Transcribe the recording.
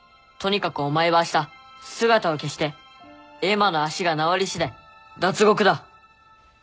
とにかくお前はあした姿を消してエマの足が治りしだい脱獄だ。